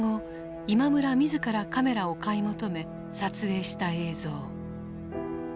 今村自らカメラを買い求め撮影した映像。